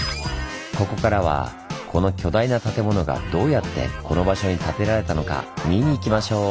ここからはこの巨大な建物がどうやってこの場所にたてられたのか見に行きましょう！